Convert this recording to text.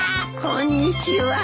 こんにちは。